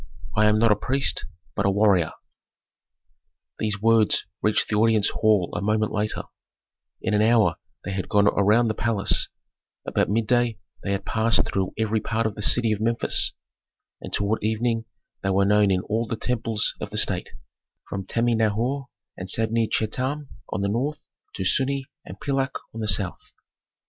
I am not a priest, but a warrior." These words reached the audience hall a moment later; in an hour they had gone around the palace; about midday they had passed through every part of the city of Memphis, and toward evening they were known in all the temples of the state, from Tami n hor and Sabne Chetam on the north to Sunnu and Pilak on the south.